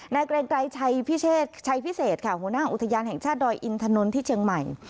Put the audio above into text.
เกรงไกรชัยพิเชษชัยพิเศษค่ะหัวหน้าอุทยานแห่งชาติดอยอินถนนที่เชียงใหม่